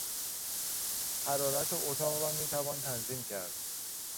حرارت اتاق را میتوان تنظیم کرد.